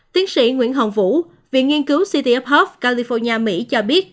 tiến sĩ nguyễn hồng vũ viện nghiên cứu city of hope california mỹ cho biết